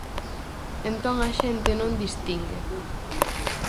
Entón a xente non distingue.